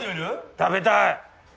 食べたい。